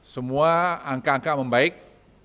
semua angka angka membaik